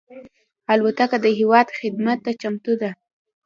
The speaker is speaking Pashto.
الوتکه د هېواد خدمت ته چمتو ده.